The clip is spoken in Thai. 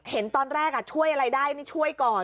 เห็นตอนแรกช่วยอะไรได้นี่ช่วยก่อน